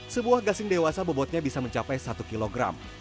sebuah gasing dewasa bobotnya bisa mencapai satu kilogram